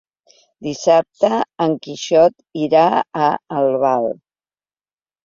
Dissabte en Quixot irà a Albal.